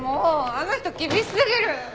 あの人厳しすぎる！